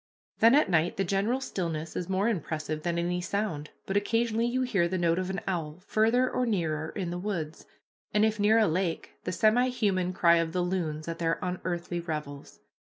Then at night the general stillness is more impressive than any sound, but occasionally you hear the note of an owl farther or nearer in the woods, and if near a lake, the semihuman cry of the loons at their unearthly revels.